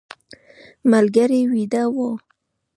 ملګري ویده و.